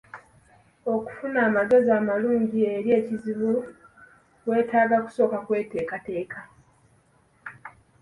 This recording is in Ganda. Okufuna amagezi amalungi eri ekizibu weetaaga kusooka kweteekateeka.